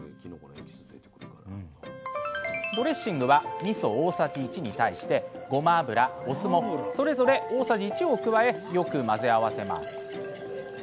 ドレッシングはみそ大さじ１に対してごま油お酢もそれぞれ大さじ１を加えよく混ぜ合わせます。